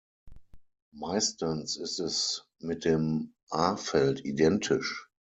Meistens ist es mit dem A-Feld identisch.